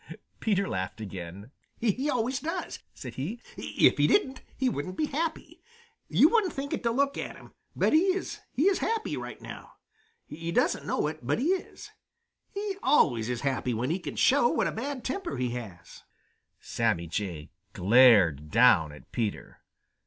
Peter laughed again. "He always does," said he. "If he didn't, he wouldn't be happy. You wouldn't think it to look at him, but he is happy right now. He doesn't know it, but he is. He always is happy when he can show what a bad temper he has." Sammy Jay glared down at Peter.